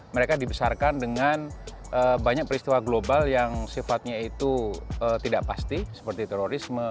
mereka dibesarkan dengan banyak peristiwa global yang sifatnya itu tidak pasti seperti terorisme